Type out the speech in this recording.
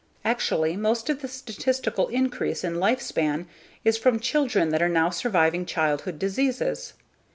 Actually, most of the statistical increase in lifespan is from children that are now surviving childhood diseases.